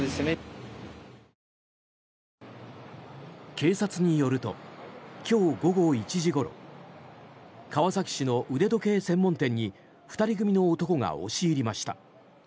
警察によると今日午後１時ごろ川崎市の腕時計専門店に２人組の男が押し入りました。